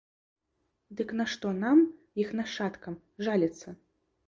Дык на што нам, іх нашчадкам, жаліцца?